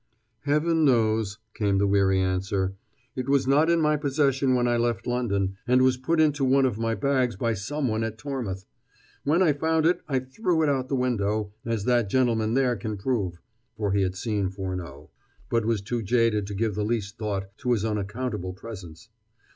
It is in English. "Heaven knows," came the weary answer. "It was not in my possession when I left London, and was put into one of my bags by someone at Tormouth. When I found it, I threw it out of the window, as that gentleman there can prove," for he had seen Furneaux, but was too jaded to give the least thought to his unaccountable presence.